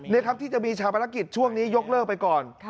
นี่ครับที่จะมีชาวภารกิจช่วงนี้ยกเลิกไปก่อน